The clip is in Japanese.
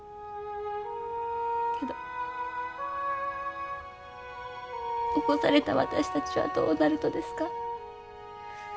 けど残された私たちはどうなるとですか？